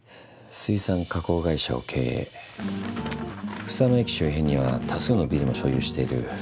水産加工会社を経営房野駅周辺には多数のビルも所有している。